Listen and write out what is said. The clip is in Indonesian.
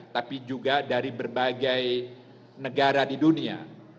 tapi juga dari berbagai negara di dunia